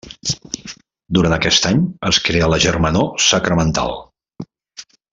Durant aquest any es crea la Germanor Sacramental.